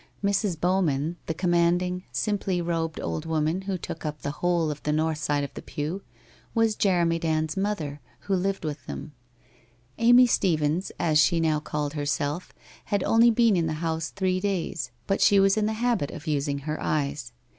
Mrs. Bowman, the com 50 WHITE ROSE OF WEARY LEAF 51 manding, simply robed old woman who took up the whole of the north side of the pew, was Jeremy Dand's mother, who lived with them. Amy Stephens, as she now called herself, had only been in the house three days, but she was in the habit of using her eyes.